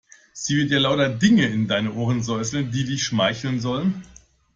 Sie wird dir lauter Dinge in dein Ohr säuseln, die dich schmeicheln sollen.